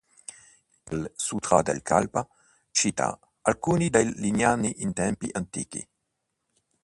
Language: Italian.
Il Sutra del Kalpa cita alcuni dei lignaggi in tempi antichi.